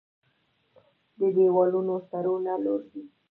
د دیوالونو سرونه لوړ دی